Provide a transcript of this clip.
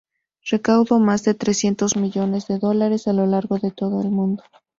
Recaudó más de trescientos millones de dólares a lo largo de todo el mundo.